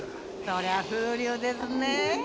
そりゃ風流ですねえ。